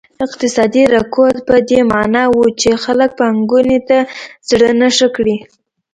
اقتصادي رکود په دې معنا و چې خلک پانګونې ته زړه نه ښه کړي.